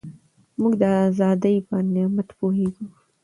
موږ د ازادۍ په نعمت پوهېږو.